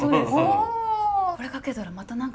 これかけたらまた何か。